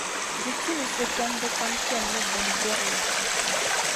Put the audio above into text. Di tu ni sochanda kam chani ni bingurili.